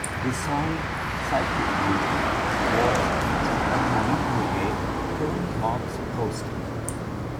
The song "Cyco Vision" was featured on the video game "Tony Hawk's Pro Skater".